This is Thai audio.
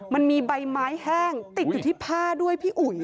มันมีใบไม้แห้งติดอยู่ที่ผ้าด้วยพี่อุ๋ย